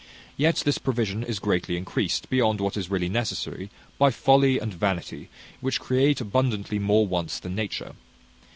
Yet this provision is greatly increased, beyond what is really necessary, by folly and vanity, which create abundantly more wants than nature.